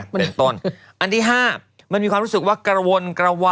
เป็นต้น